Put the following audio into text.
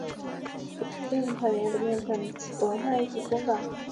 而面粉厂原有的面粉筒则成为文化艺术工坊。